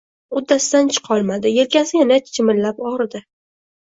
Uddasidan chiqolmadi — yelkasi yana chimillab og‘ridi.